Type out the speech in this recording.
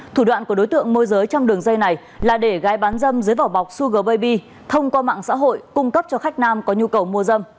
thủ đoạn của đối tượng môi giới trong đường dây này là để gái bán dâm dưới vỏ bọc suger baby thông qua mạng xã hội cung cấp cho khách nam có nhu cầu mua dâm